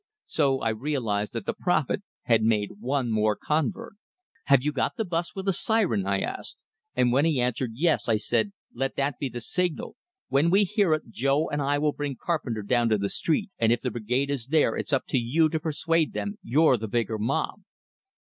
So I realized that the prophet had made one more convert! "Have you got that bus with the siren?" I asked; and when he answered, yes, I said, "Let that be the signal. When we hear it, Joe and I will bring Carpenter down to the street, and if the Brigade is there, it's up to you to persuade them you're the bigger mob!"